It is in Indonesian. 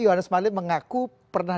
johannes marlem mengaku pernah